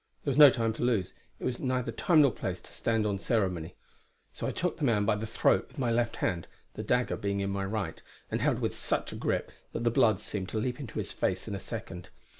There was no time to lose, and it was neither time nor place to stand on ceremony; so I took the man by the throat with my left hand, the dagger being in my right, and held with such a grip that the blood seemed to leap into his face in a second.